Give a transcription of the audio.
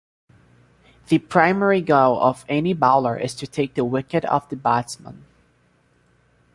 The primary goal of any bowler is to take the wicket of the batsman.